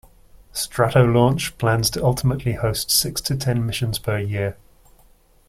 Stratolaunch plans to ultimately host six to ten missions per year.